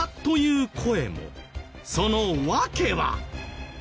その訳は。